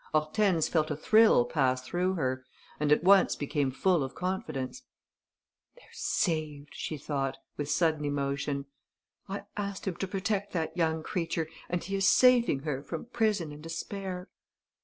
Hortense felt a thrill pass through her and at once became full of confidence: "They're saved," she thought, with sudden emotion. "I asked him to protect that young creature; and he is saving her from prison and despair."